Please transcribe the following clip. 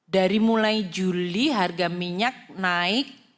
dari mulai juli harga minyak naik